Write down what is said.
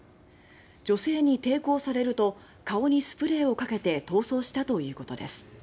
女性に抵抗されると顔にスプレーをかけて逃走したということです。